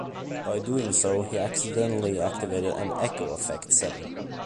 By doing so, he accidentally activated an echo effect setting.